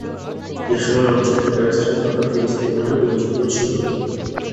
এসময় অঞ্চলটি প্যালেস্টাইন তথা ফিলিস্তিন বলে পরিচিত ছিল।